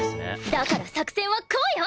だから作戦はこうよ！